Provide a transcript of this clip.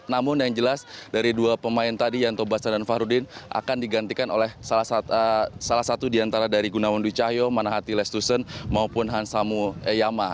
namun yang jelas dari dua pemain tadi yanto basna dan fahruddin akan digantikan oleh salah satu diantara dari gunawan dwi cahyo manahati lestusen maupun hans samuyama